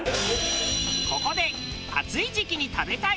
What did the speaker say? ここで暑い時期に食べたい